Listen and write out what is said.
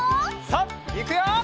さあいくよ！